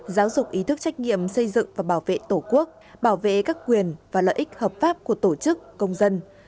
giáo dục ý thức trách nhiệm xây dựng và bảo vệ tổ quốc bảo vệ các quyền và lợi ích hợp pháp của tổ chức công dân